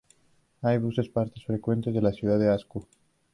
Hay buses que parten frecuentemente a la Ciudad de Aksu.